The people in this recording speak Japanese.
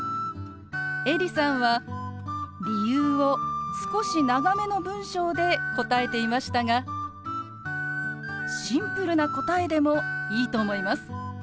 エリさんは理由を少し長めの文章で答えていましたがシンプルな答えでもいいと思います。